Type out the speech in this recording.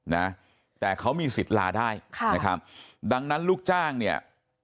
นะแต่เขามีสิทธิ์ลาได้ค่ะนะครับดังนั้นลูกจ้างเนี่ย